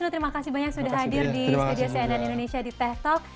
terima kasih banyak sudah hadir di stadion cnn indonesia di techtalk